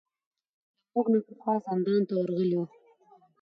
له موږ نه پخوا زندان ته راغلي وو.